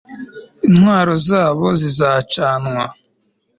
intwaro zabo zizacanwa